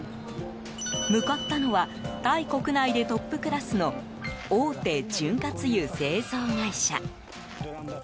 向かったのはタイ国内でトップクラスの大手潤滑油製造会社。